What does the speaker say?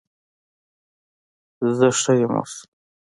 زه ښه یم اوس